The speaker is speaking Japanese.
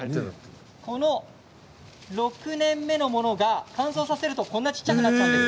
６年目のもの、乾燥させるとこんな小さくなるんです。